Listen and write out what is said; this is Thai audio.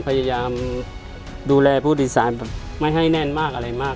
พยายามดูแลผู้โดยสารแบบไม่ให้แน่นมากอะไรมาก